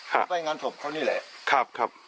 แล้วไปงานสดเขานี่แหละ